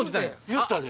言ったで。